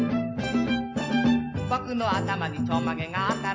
「ぼくのあたまにちょんまげがあったら」